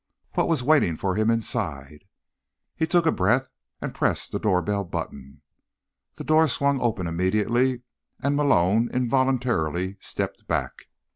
What was waiting for him inside? He took a deep breath, and pressed the doorbell button. The door swung open immediately, and Malone involuntarily stepped back.